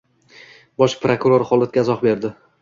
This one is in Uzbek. Bosh prokuror holatga izoh berdi